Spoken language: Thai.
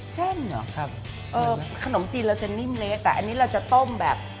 เหรอครับเออขนมจีนเราจะนิ่มเละแต่อันนี้เราจะต้มแบบ